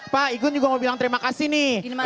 pak igun juga mau bilang terima kasih nih